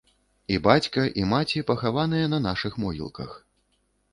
І бацька, і маці пахаваныя на нашых могілках.